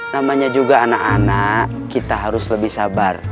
namanya juga anak anak kita harus lebih sabar